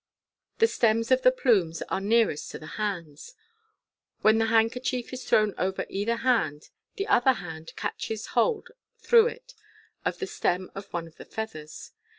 The stems of the plumes are nearest to the hands. When the handkiuhief is thrown over either hand, the other hand catches hold through it of the stem of one of the feathers.